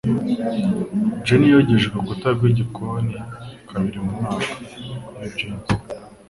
Jenny yogeje urukuta rwigikoni kabiri mu mwaka. (yujin)